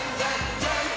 ジャンプ！！